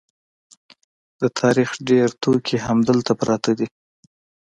د تاریخ ډېر توکي همدلته پراته دي.